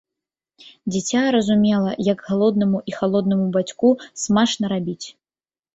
Дзіця разумела, як галоднаму і халоднаму бацьку смачна рабіць.